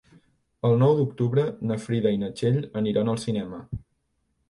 El nou d'octubre na Frida i na Txell aniran al cinema.